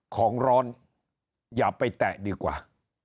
ของร้อนอย่าไปแตะดีกว่า